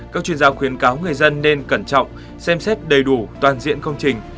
các chuyên gia khuyến cáo người dân nên cẩn trọng xem xét đầy đủ toàn diện công trình